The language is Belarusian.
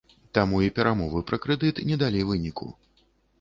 Таму і перамовы пра крэдыт не далі выніку.